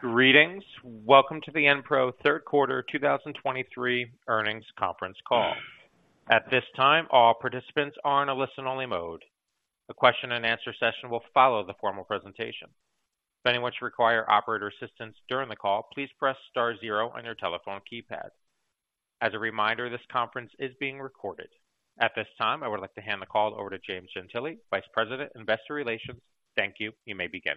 Greetings. Welcome to the Enpro Q3 2023 earnings conference call. At this time, all participants are in a listen-only mode. A question and answer session will follow the formal presentation. If anyone should require operator assistance during the call, please press star zero on your telephone keypad. As a reminder, this conference is being recorded. At this time, I would like to hand the call over to James Gentile, Vice President, Investor Relations. Thank you. You may begin.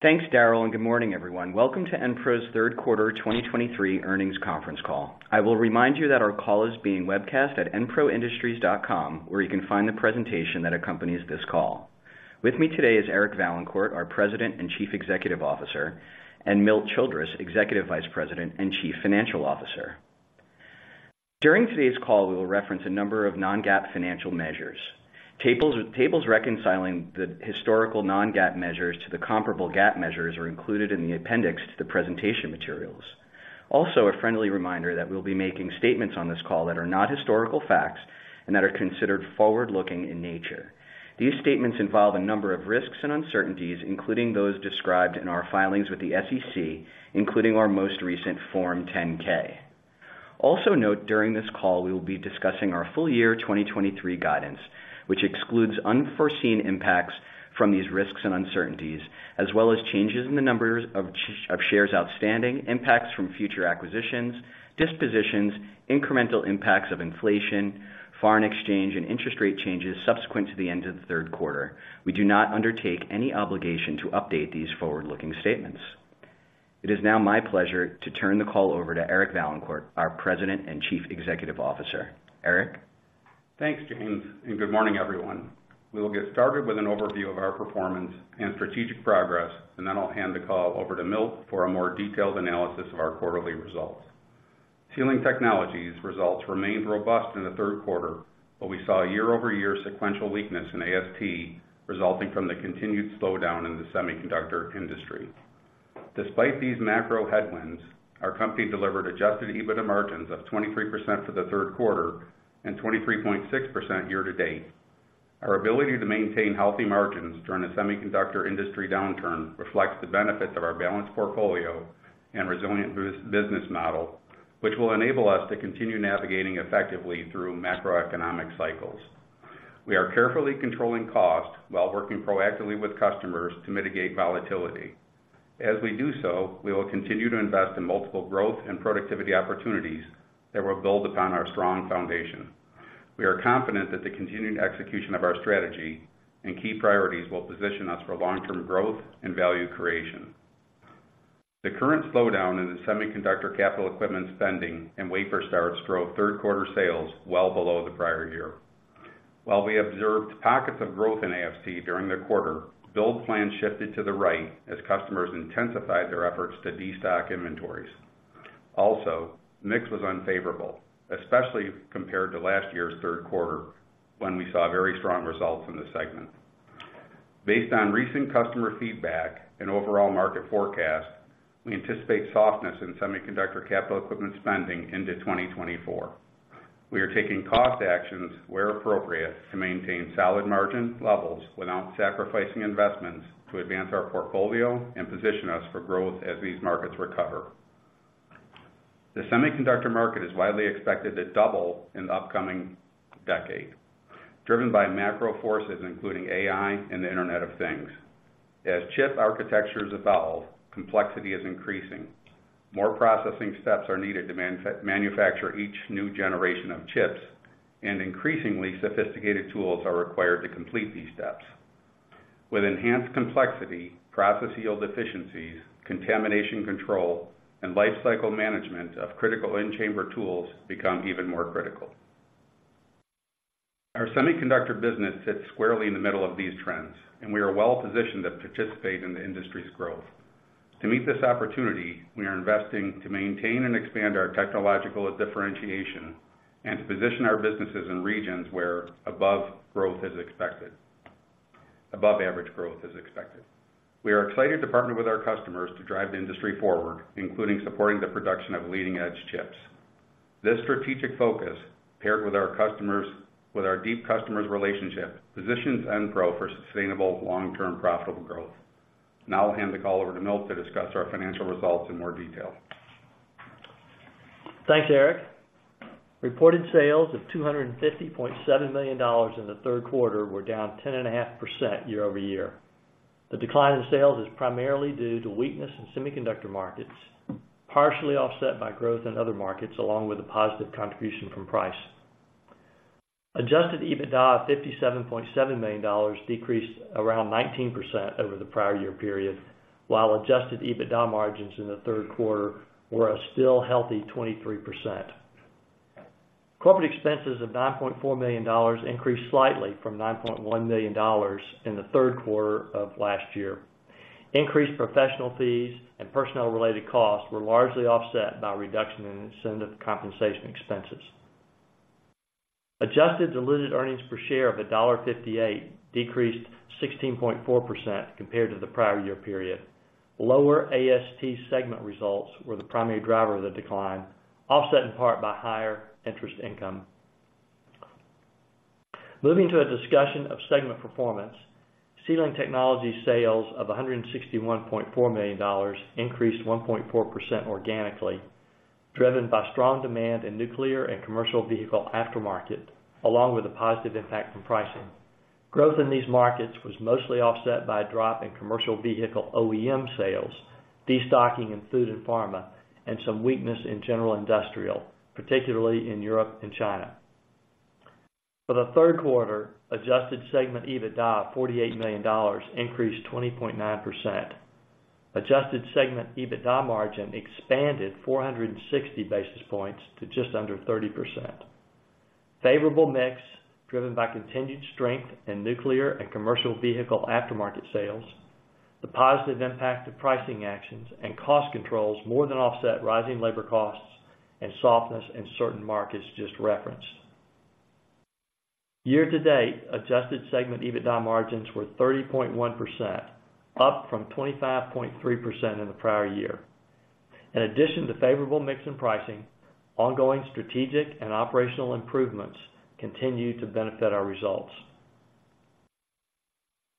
Thanks, Daryl, and good morning, everyone. Welcome to Enpro's Q3 2023 earnings conference call. I will remind you that our call is being webcast at enproindustries.com, where you can find the presentation that accompanies this call. With me today is Eric Vaillancourt, our President and Chief Executive Officer, and Milt Childress, Executive Vice President and Chief Financial Officer. During today's call, we will reference a number of non-GAAP financial measures. Tables reconciling the historical non-GAAP measures to the comparable GAAP measures are included in the appendix to the presentation materials. Also, a friendly reminder that we'll be making statements on this call that are not historical facts and that are considered forward-looking in nature. These statements involve a number of risks and uncertainties, including those described in our filings with the SEC, including our most recent Form 10-K. Also note, during this call, we will be discussing our full year 2023 guidance, which excludes unforeseen impacts from these risks and uncertainties, as well as changes in the number of shares outstanding, impacts from future acquisitions, dispositions, incremental impacts of inflation, foreign exchange, and interest rate changes subsequent to the end of the Q3. We do not undertake any obligation to update these forward-looking statements. It is now my pleasure to turn the call over to Eric Vaillancourt, our President and Chief Executive Officer. Eric? Thanks, James, and good morning, everyone. We will get started with an overview of our performance and strategic progress, and then I'll hand the call over to Milt for a more detailed analysis of our quarterly results. Sealing Technologies results remained robust in the Q3, but we saw a year-over-year sequential weakness in AST, resulting from the continued slowdown in the semiconductor industry. Despite these macro headwinds, our company delivered Adjusted EBITDA margins of 23% for the Q3 and 23.6% year to date. Our ability to maintain healthy margins during a semiconductor industry downturn reflects the benefits of our balanced portfolio and resilient business model, which will enable us to continue navigating effectively through macroeconomic cycles. We are carefully controlling costs while working proactively with customers to mitigate volatility. As we do so, we will continue to invest in multiple growth and productivity opportunities that will build upon our strong foundation. We are confident that the continued execution of our strategy and key priorities will position us for long-term growth and value creation. The current slowdown in the semiconductor capital equipment spending and wafer starts drove Q3 sales well below the prior year. While we observed pockets of growth in AST during the quarter, build plans shifted to the right as customers intensified their efforts to destock inventories. Also, mix was unfavorable, especially compared to last year's Q3, when we saw very strong results in the segment. Based on recent customer feedback and overall market forecast, we anticipate softness in semiconductor capital equipment spending into 2024. We are taking cost actions where appropriate, to maintain solid margin levels without sacrificing investments to advance our portfolio and position us for growth as these markets recover. The semiconductor market is widely expected to double in the upcoming decade, driven by macro forces, including AI and the Internet of Things. As chip architectures evolve, complexity is increasing. More processing steps are needed to manufacture each new generation of chips, and increasingly sophisticated tools are required to complete these steps. With enhanced complexity, process yield efficiencies, contamination control, and lifecycle management of critical in-chamber tools become even more critical. Our semiconductor business sits squarely in the middle of these trends, and we are well positioned to participate in the industry's growth. To meet this opportunity, we are investing to maintain and expand our technological differentiation and to position our businesses in regions where above average growth is expected. We are excited to partner with our customers to drive the industry forward, including supporting the production of leading-edge chips. This strategic focus, paired with our deep customers' relationship, positions Enpro for sustainable, long-term, profitable growth. Now I'll hand the call over to Milt to discuss our financial results in more detail. Thanks, Eric. Reported sales of $250.7 million in the Q3 were down 10.5% year-over-year. The decline in sales is primarily due to weakness in semiconductor markets, partially offset by growth in other markets, along with a positive contribution from price. Adjusted EBITDA of $57.7 million decreased around 19% over the prior year period, while adjusted EBITDA margins in the Q3 were a still healthy 23%. Corporate expenses of $9.4 million increased slightly from $9.1 million in the Q3 of last year. Increased professional fees and personnel-related costs were largely offset by a reduction in incentive compensation expenses. Adjusted diluted earnings per share of $1.58 decreased 16.4% compared to the prior year period. Lower AST segment results were the primary driver of the decline, offset in part by higher interest income. Moving to a discussion of segment performance. Sealing Technologies sales of $161.4 million increased 1.4% organically, driven by strong demand in nuclear and commercial vehicle aftermarket, along with a positive impact from pricing. Growth in these markets was mostly offset by a drop in commercial vehicle OEM sales, destocking in food and pharma, and some weakness in general industrial, particularly in Europe and China. For the Q3, adjusted segment EBITDA of $48 million increased 20.9%. Adjusted segment EBITDA margin expanded 460 basis points to just under 30%. Favorable mix, driven by continued strength in nuclear and commercial vehicle aftermarket sales, the positive impact of pricing actions and cost controls more than offset rising labor costs and softness in certain markets just referenced. Year-to-date, Adjusted Segment EBITDA margins were 30.1%, up from 25.3% in the prior year. In addition to favorable mix in pricing, ongoing strategic and operational improvements continue to benefit our results.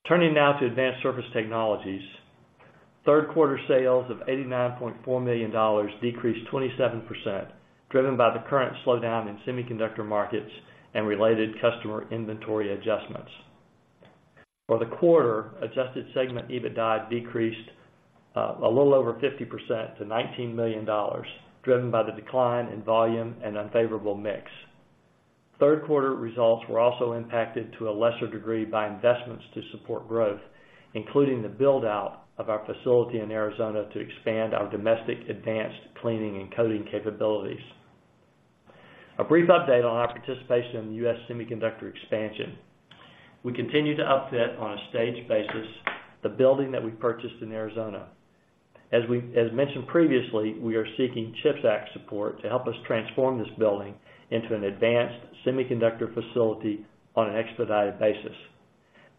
Turning now to Advanced Surface Technologies, Q3 sales of $89.4 million decreased 27%, driven by the current slowdown in semiconductor markets and related customer inventory adjustments. For the quarter, Adjusted Segment EBITDA decreased a little over 50% to $19 million, driven by the decline in volume and unfavorable mix. Q3 results were also impacted to a lesser degree by investments to support growth, including the build-out of our facility in Arizona to expand our domestic advanced cleaning and coating capabilities. A brief update on our participation in the U.S. semiconductor expansion. We continue to upfit, on a staged basis, the building that we purchased in Arizona. As mentioned previously, we are seeking CHIPS Act support to help us transform this building into an advanced semiconductor facility on an expedited basis.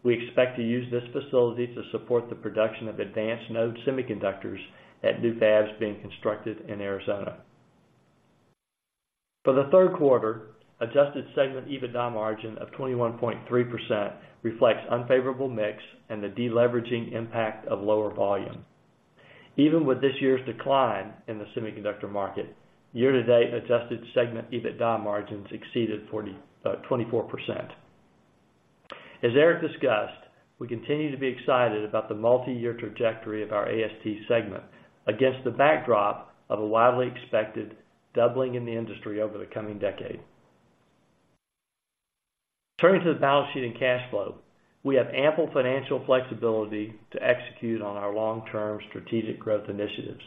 We expect to use this facility to support the production of advanced-node semiconductors at new fabs being constructed in Arizona. For the Q3, Adjusted segment EBITDA margin of 21.3% reflects unfavorable mix and the deleveraging impact of lower volume. Even with this year's decline in the semiconductor market, year-to-date Adjusted segment EBITDA margins exceeded 24%. As Eric discussed, we continue to be excited about the multi-year trajectory of our AST segment against the backdrop of a widely expected doubling in the industry over the coming decade. Turning to the balance sheet and cash flow, we have ample financial flexibility to execute on our long-term strategic growth initiatives.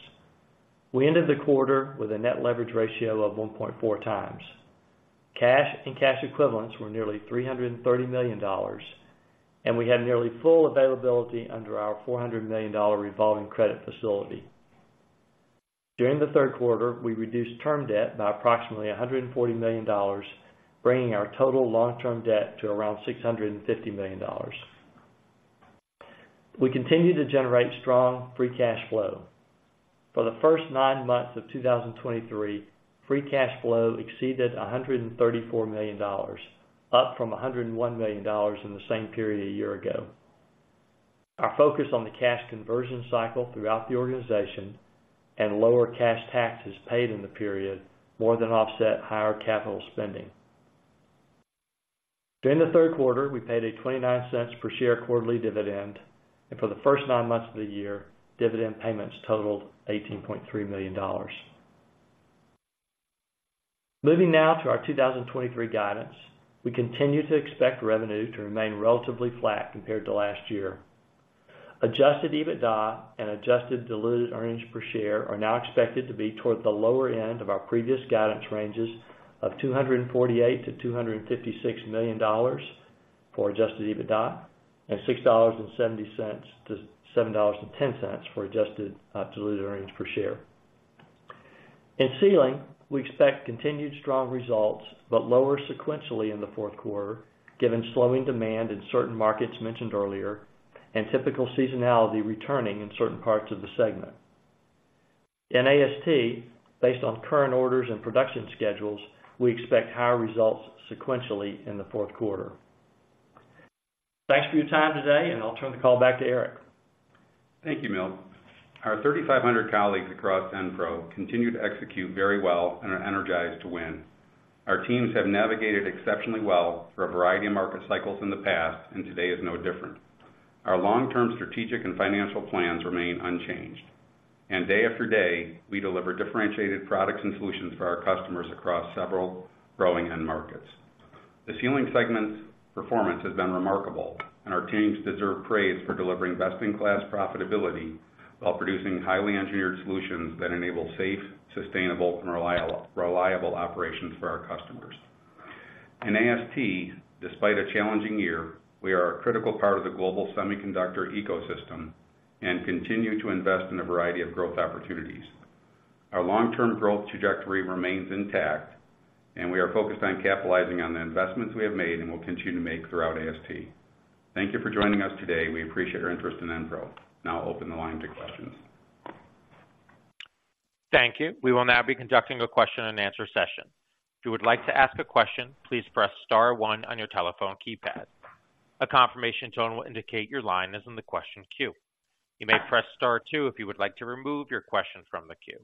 We ended the quarter with a net leverage ratio of 1.4 times. Cash and cash equivalents were nearly $330 million, and we had nearly full availability under our $400 million revolving credit facility. During the Q3, we reduced term debt by approximately $140 million, bringing our total long-term debt to around $650 million. We continue to generate strong free cash flow. For the first nine months of 2023, free cash flow exceeded $134 million, up from $101 million in the same period a year ago. Our focus on the cash conversion cycle throughout the organization and lower cash taxes paid in the period, more than offset higher capital spending. During the Q3, we paid $0.29 per share quarterly dividend, and for the first nine months of the year, dividend payments totaled $18.3 million. Moving now to our 2023 guidance. We continue to expect revenue to remain relatively flat compared to last year. Adjusted EBITDA and adjusted diluted earnings per share are now expected to be toward the lower end of our previous guidance ranges of $248 million-$256 million for adjusted EBITDA, and $6.70-$7.10 for adjusted diluted earnings per share. In Sealing, we expect continued strong results, but lower sequentially in the Q4, given slowing demand in certain markets mentioned earlier, and typical seasonality returning in certain parts of the segment. In AST, based on current orders and production schedules, we expect higher results sequentially in the Q4. Thanks for your time today, and I'll turn the call back to Eric. Thank you, Milt. Our 3,500 colleagues across Enpro continue to execute very well and are energized to win. Our teams have navigated exceptionally well through a variety of market cycles in the past, and today is no different. Our long-term strategic and financial plans remain unchanged, and day after day, we deliver differentiated products and solutions for our customers across several growing end markets. The Sealing segment's performance has been remarkable, and our teams deserve praise for delivering best-in-class profitability while producing highly engineered solutions that enable safe, sustainable, and reliable operations for our customers. In AST, despite a challenging year, we are a critical part of the global semiconductor ecosystem and continue to invest in a variety of growth opportunities. Our long-term growth trajectory remains intact, and we are focused on capitalizing on the investments we have made and will continue to make throughout AST. Thank you for joining us today. We appreciate your interest in Enpro. Now I'll open the line to questions. Thank you. We will now be conducting a question-and-answer session. If you would like to ask a question, please press star one on your telephone keypad. A confirmation tone will indicate your line is in the question queue. You may press star two if you would like to remove your question from the queue.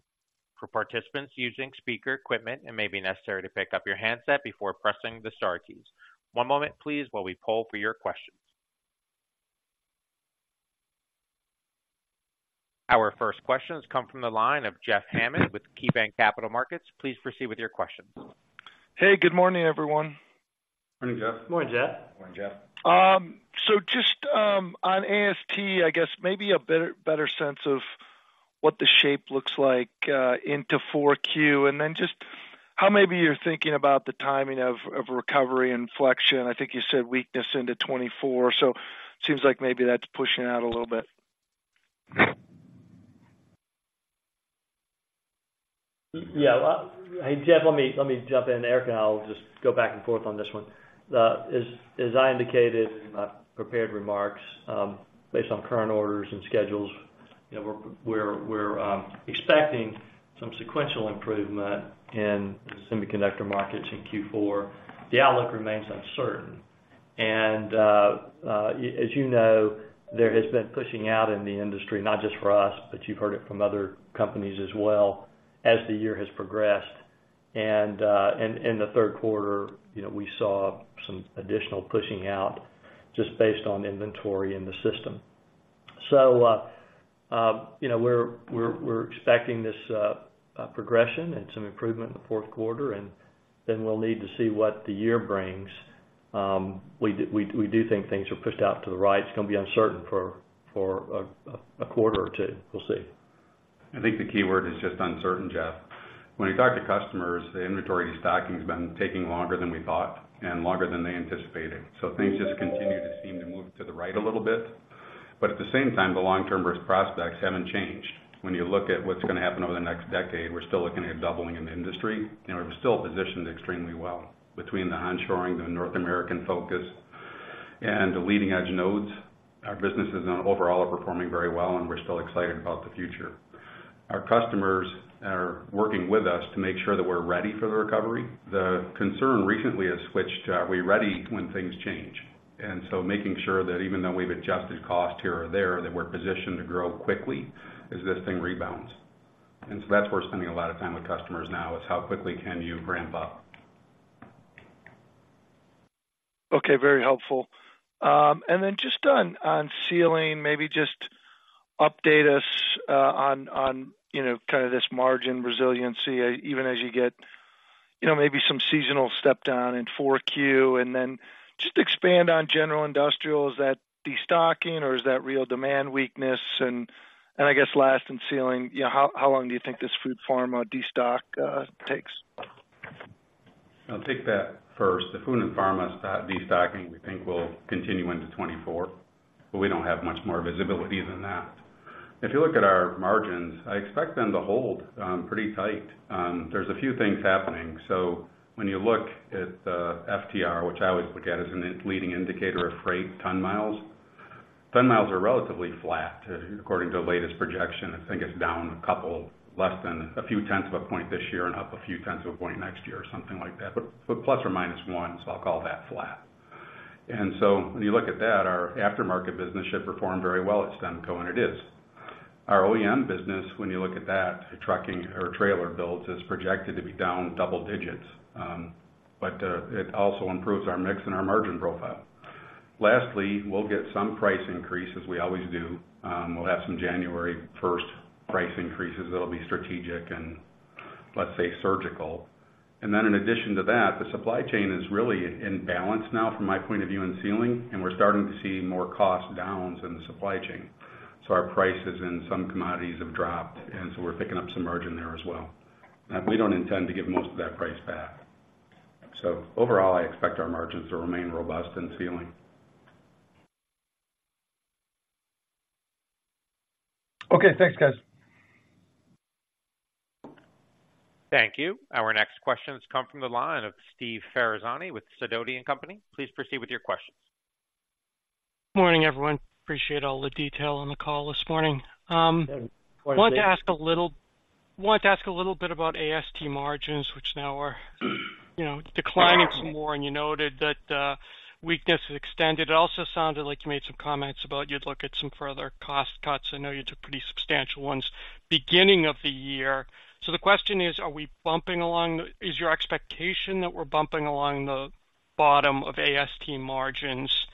For participants using speaker equipment, it may be necessary to pick up your handset before pressing the star keys. One moment please, while we poll for your questions. Our first questions come from the line of Jeff Hammond with KeyBanc Capital Markets. Please proceed with your question. Hey, good morning, everyone. Morning, Jeff. Morning, Jeff. Morning, Jeff. So just on AST, I guess maybe a better sense of what the shape looks like into 4Q. And then just how maybe you're thinking about the timing of recovery inflection. I think you said weakness into 2024, so seems like maybe that's pushing out a little bit. Yeah. Well, hey, Jeff, let me jump in. Eric and I will just go back and forth on this one. As I indicated in my prepared remarks, based on current orders and schedules, you know, we're expecting some sequential improvement in the semiconductor markets in Q4. The outlook remains uncertain, and as you know, there has been pushing out in the industry, not just for us, but you've heard it from other companies as well as the year has progressed. And in the Q3, you know, we saw some additional pushing out just based on inventory in the system. So, you know, we're expecting this progression and some improvement in the Q4, and then we'll need to see what the year brings. We do think things are pushed out to the right. It's gonna be uncertain for a quarter or two. We'll see. I think the key word is just uncertain, Jeff. When we talk to customers, the inventory stocking's been taking longer than we thought and longer than they anticipated. So things just continue to seem to move to the right a little bit, but at the same time, the long-term risk prospects haven't changed. When you look at what's gonna happen over the next decade, we're still looking at doubling in the industry, and we're still positioned extremely well between the onshoring, the North American focus, and the leading-edge nodes. Our businesses overall are performing very well, and we're still excited about the future. Our customers are working with us to make sure that we're ready for the recovery. The concern recently has switched to, are we ready when things change? And so making sure that even though we've adjusted cost here or there, that we're positioned to grow quickly as this thing rebounds. And so that's where we're spending a lot of time with customers now, is how quickly can you ramp up? Okay, very helpful. And then just on Sealing, maybe just update us on you know, kind of this margin resiliency, even as you get, you know, maybe some seasonal step down in Q4. And then just expand on general industrial, is that destocking, or is that real demand weakness? And I guess last, in Sealing, you know, how long do you think this food pharma destock takes? I'll take that first. The food and pharma stock destocking, we think, will continue into 2024, but we don't have much more visibility than that. If you look at our margins, I expect them to hold pretty tight. There's a few things happening. So when you look at the FTR, which I always look at as a leading indicator of freight ton miles, ton miles are relatively flat. According to the latest projection, I think it's down a couple, less than a few tenths of a point this year and up a few tenths of a point next year, or something like that, but ±1, so I'll call that flat. And so when you look at that, our aftermarket business should perform very well at STEMCO, and it is. Our OEM business, when you look at that, trucking or trailer builds, is projected to be down double digits, but it also improves our mix and our margin profile. Lastly, we'll get some price increases, we always do. We'll have some January first price increases that'll be strategic and, let's say, surgical. And then in addition to that, the supply chain is really in balance now, from my point of view, in sealing, and we're starting to see more cost downs in the supply chain. So our prices in some commodities have dropped, and so we're picking up some margin there as well. And we don't intend to give most of that price back. So overall, I expect our margins to remain robust and sealing. Okay, thanks, guys. Thank you. Our next questions come from the line of Steve Ferazani with Sidoti & Company. Please proceed with your questions. Morning, everyone. Appreciate all the detail on the call this morning. Of course. I wanted to ask a little bit about AST margins, which now are, you know, declining some more, and you noted that weakness has extended. It also sounded like you made some comments about you'd look at some further cost cuts. I know you took pretty substantial ones beginning of the year. So the question is, are we bumping along the... Is your expectation that we're bumping along the bottom of AST margins?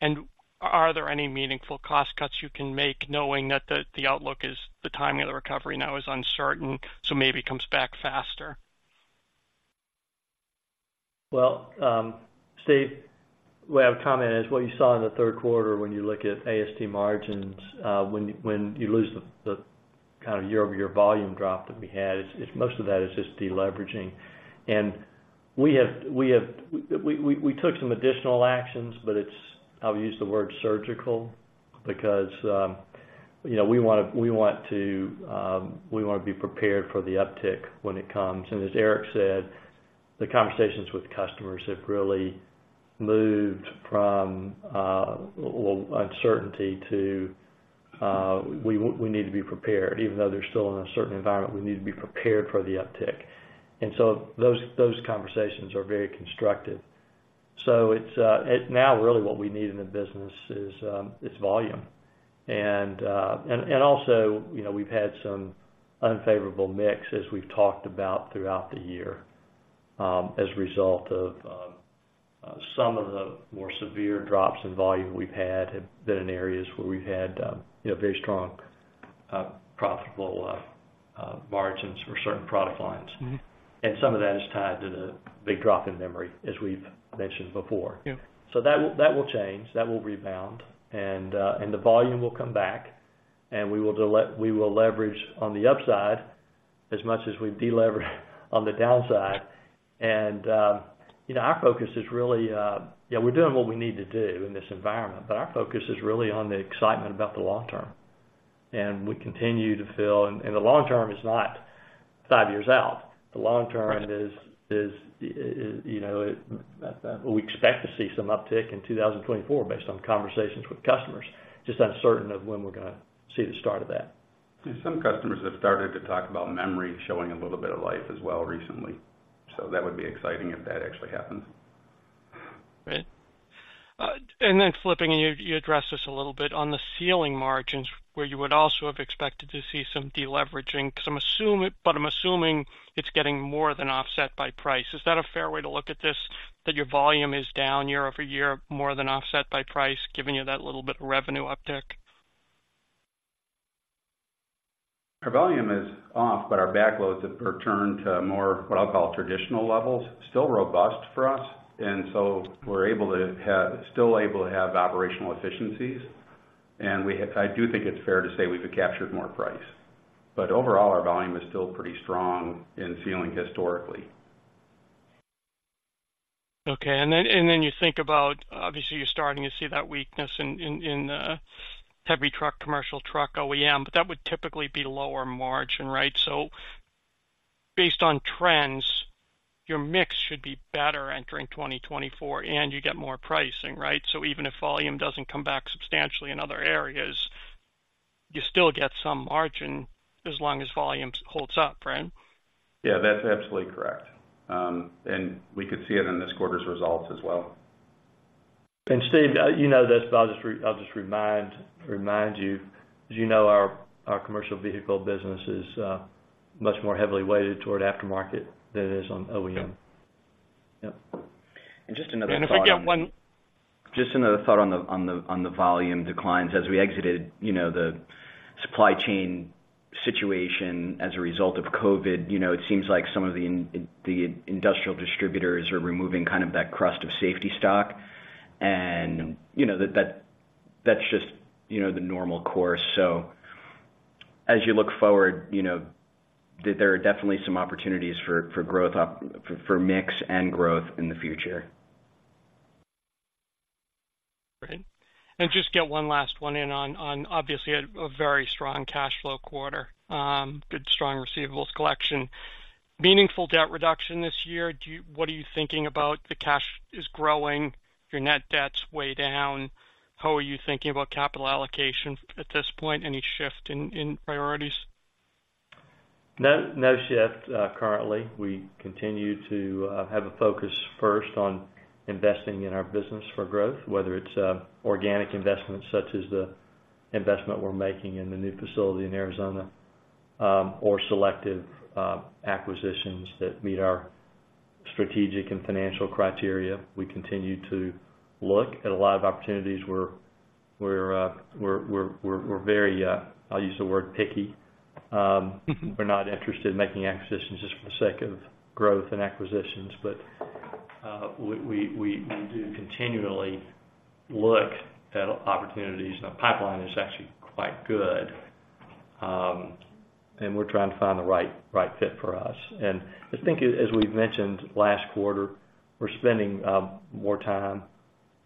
And are there any meaningful cost cuts you can make, knowing that the outlook is the timing of the recovery now is uncertain, so maybe comes back faster? Well, Steve, way I would comment is what you saw in thethe Q3 when you look at AST margins, when you lose the kind of year-over-year volume drop that we had, it's most of that is just deleveraging. And we have, we have we took some additional actions, but it's I'll use the word surgical, because you know, we want to be prepared for the uptick when it comes. And as Eric said, the conversations with customers have really moved from well, uncertainty to we need to be prepared. Even though they're still in an uncertain environment, we need to be prepared for the uptick. And so those conversations are very constructive. So it's now, really what we need in the business is volume. And also, you know, we've had some unfavorable mix, as we've talked about throughout the year, as a result of some of the more severe drops in volume we've had have been in areas where we've had, you know, very strong profitable margins for certain product lines. Mm-hmm. Some of that is tied to the big drop in memory, as we've mentioned before. Yeah. So that will, that will change, that will rebound, and the volume will come back, and we will leverage on the upside as much as we've deleveraged on the downside. You know, our focus is really. Yeah, we're doing what we need to do in this environment, but our focus is really on the excitement about the long term. The long term is not five years out. The long term is, you know, we expect to see some uptick in 2024 based on conversations with customers, just uncertain of when we're gonna see the start of that. Some customers have started to talk about memory showing a little bit of life as well recently. That would be exciting if that actually happens. Great. And then flipping, and you addressed this a little bit, on the Sealing margins, where you would also have expected to see some deleveraging. 'Cause I'm assuming it's getting more than offset by price. Is that a fair way to look at this, that your volume is down year-over-year, more than offset by price, giving you that little bit of revenue uptick? Our volume is off, but our backlogs have returned to more, what I'll call, traditional levels, still robust for us, and so we're still able to have operational efficiencies. I do think it's fair to say we've captured more price. But overall, our volume is still pretty strong in Sealing, historically. Okay. And then you think about, obviously, you're starting to see that weakness in the heavy truck, commercial truck, OEM, but that would typically be lower margin, right? So based on trends, your mix should be better entering 2024, and you get more pricing, right? So even if volume doesn't come back substantially in other areas, you still get some margin as long as volume holds up, right? Yeah, that's absolutely correct. And we could see it in this quarter's results as well. Steve, you know this, but I'll just remind you. As you know, our commercial vehicle business is much more heavily weighted toward aftermarket than it is on OEM. Yep. And just another thought on- And if I get one- Just another thought on the volume declines. As we exited, you know, the supply chain situation as a result of COVID, you know, it seems like some of the industrial distributors are removing kind of that crust of safety stock. And, you know, that's just, you know, the normal course. So as you look forward, you know, there are definitely some opportunities for growth, for mix and growth in the future. Great. And just get one last one in on obviously a very strong cash flow quarter, good, strong receivables collection. Meaningful debt reduction this year, do you—what are you thinking about? The cash is growing, your net debt's way down. How are you thinking about capital allocation at this point? Any shift in priorities? No, no shift, currently. We continue to have a focus first on investing in our business for growth, whether it's organic investments, such as the investment we're making in the new facility in Arizona, or selective acquisitions that meet our strategic and financial criteria. We continue to look at a lot of opportunities. We're very, I'll use the word picky. We're not interested in making acquisitions just for the sake of growth and acquisitions, but we do continually look at opportunities, and the pipeline is actually quite good. And we're trying to find the right fit for us. I think, as we've mentioned last quarter, we're spending more time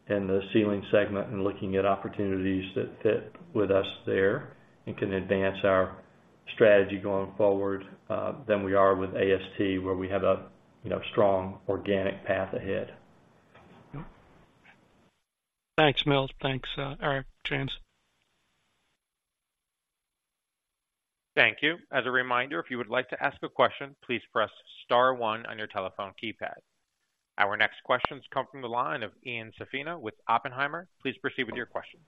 in the Sealing segment and looking at opportunities that fit with us there and can advance our strategy going forward than we are with AST, where we have a, you know, strong organic path ahead. Yep. Thanks, Milt. Thanks, Eric, James. Thank you. As a reminder, if you would like to ask a question, please press star one on your telephone keypad. Our next question is coming from the line of Ian Zaffino with Oppenheimer. Please proceed with your question.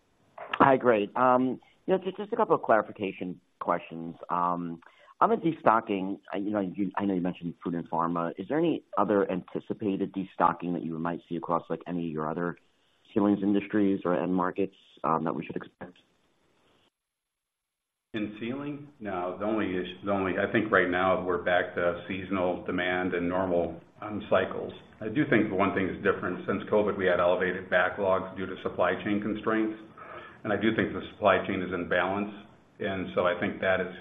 Hi, great. You know, just a couple of clarification questions. On the destocking, you know, I know you mentioned food and pharma. Is there any other anticipated destocking that you might see across, like, any of your other sealing industries or end markets, that we should expect? In sealing? No, the only issue, the only—I think right now, we're back to seasonal demand and normal cycles. I do think the one thing that's different, since COVID, we had elevated backlogs due to supply chain constraints, and I do think the supply chain is in balance. And so I think that is,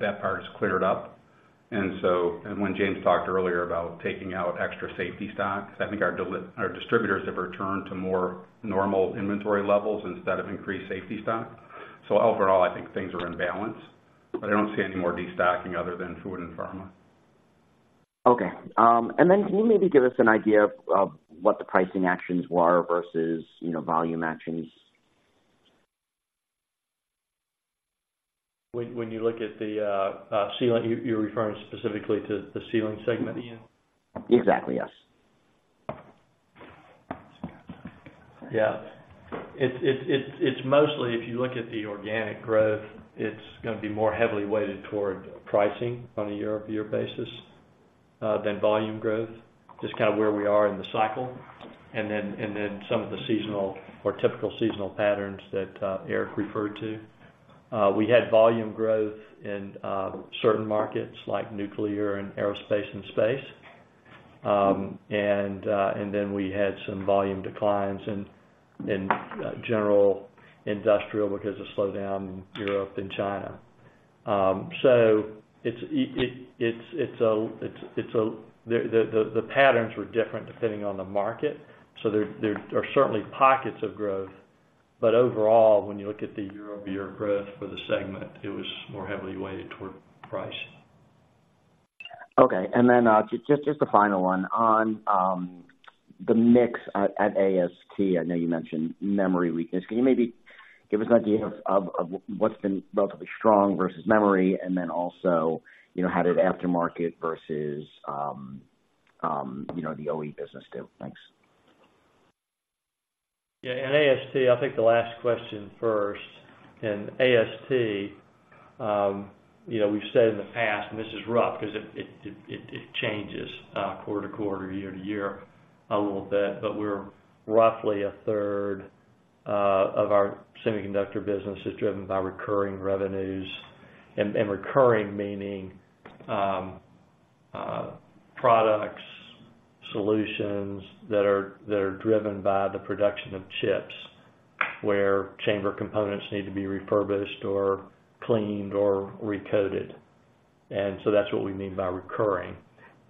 that part is cleared up. And so, and when James talked earlier about taking out extra safety stock, I think our distributors have returned to more normal inventory levels instead of increased safety stock. So overall, I think things are in balance, but I don't see any more destocking other than food and pharma. Okay. And then can you maybe give us an idea of, of what the pricing actions were versus, you know, volume actions? When you look at the sealing, you're referring specifically to the Sealing segment, Ian? Exactly, yes. Yeah. It's mostly, if you look at the organic growth, it's gonna be more heavily weighted toward pricing on a year-over-year basis than volume growth. Just kind of where we are in the cycle, and then some of the seasonal or typical seasonal patterns that Eric referred to. We had volume growth in certain markets like nuclear and aerospace and space. And then we had some volume declines in general industrial because of slowdown in Europe and China. So the patterns were different depending on the market, so there are certainly pockets of growth. But overall, when you look at the year-over-year growth for the segment, it was more heavily weighted toward price. Okay. And then, just a final one. On the mix at AST, I know you mentioned memory weakness. Can you maybe give us an idea of what's been relatively strong versus memory? And then also, you know, how did aftermarket versus the OE business do? Thanks. Yeah, at AST, I'll take the last question first. In AST, you know, we've said in the past, and this is rough 'cause it changes, quarter to quarter, year to year a little bit, but we're roughly a third of our semiconductor business is driven by recurring revenues. And recurring meaning, products, solutions that are driven by the production of chips, where chamber components need to be refurbished or cleaned or recoated. And so that's what we mean by recurring.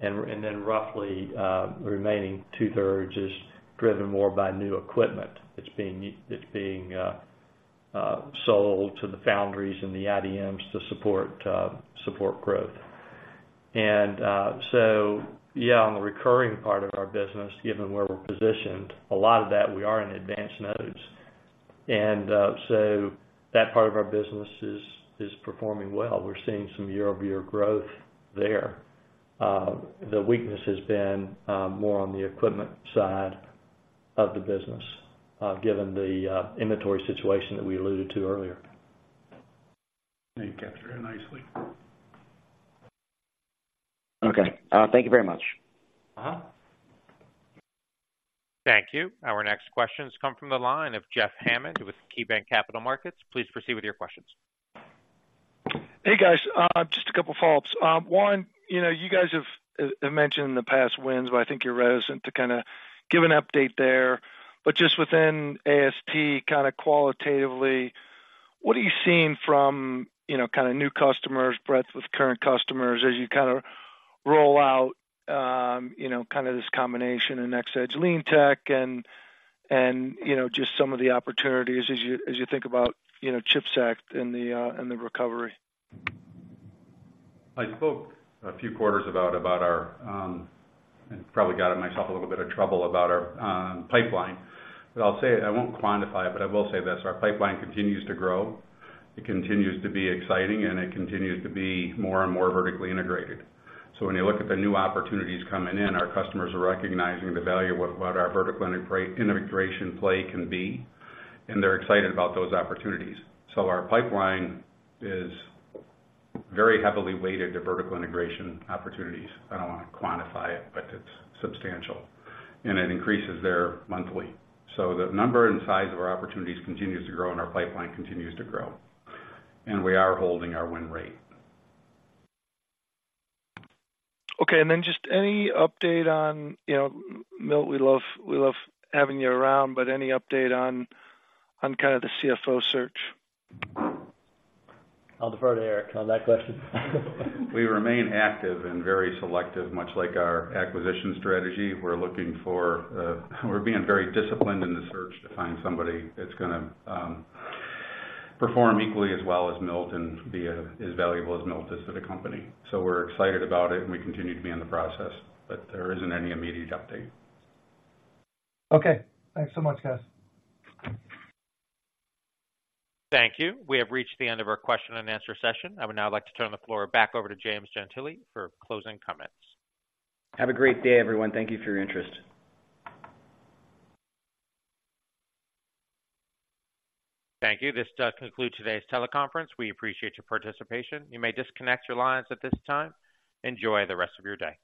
And then, roughly, the remaining 2/3 is driven more by new equipment that's being sold to the foundries and the IDMs to support growth. And so yeah, on the recurring part of our business, given where we're positioned, a lot of that we are in advanced nodes. So that part of our business is performing well. We're seeing some year-over-year growth there. The weakness has been more on the equipment side of the business, given the inventory situation that we alluded to earlier. You captured it nicely. Okay. Thank you very much. Uh-huh. Thank you. Our next questions come from the line of Jeff Hammond with KeyBanc Capital Markets. Please proceed with your questions. Hey, guys. Just a couple follow-ups. One, you know, you guys have mentioned in the past wins, but I think you're reticent to kinda give an update there. But just within AST, kinda qualitatively, what are you seeing from, you know, kinda new customers, breadth of current customers as you kind of roll out, you know, kind of this combination in NxEdge LeanTeq and, you know, just some of the opportunities as you think about, you know, CHIPS Act and the recovery? I spoke a few quarters about our and probably got myself in a little bit of trouble about our pipeline. But I'll say it, I won't quantify it, but I will say this: Our pipeline continues to grow, it continues to be exciting, and it continues to be more and more vertically integrated. So when you look at the new opportunities coming in, our customers are recognizing the value of what our vertical integration play can be, and they're excited about those opportunities. So our pipeline is very heavily weighted to vertical integration opportunities. I don't want to quantify it, but it's substantial, and it increases every month. So the number and size of our opportunities continues to grow, and our pipeline continues to grow, and we are holding our win rate. Okay, and then just any update on, you know, Milt, we love, we love having you around, but any update on, on kind of the CFO search? I'll refer to Eric on that question. We remain active and very selective, much like our acquisition strategy. We're looking for. We're being very disciplined in the search to find somebody that's gonna perform equally as well as Milt and be as valuable as Milt is to the company. So we're excited about it, and we continue to be in the process, but there isn't any immediate update. Okay. Thanks so much, guys. Thank you. We have reached the end of our question-and-answer session. I would now like to turn the floor back over to James Gentile for closing comments. Have a great day, everyone. Thank you for your interest. Thank you. This does conclude today's teleconference. We appreciate your participation. You may disconnect your lines at this time. Enjoy the rest of your day.